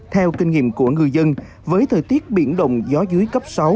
theo kinh nghiệm của ngư dân với thời tiết biển động gió dưới cấp sáu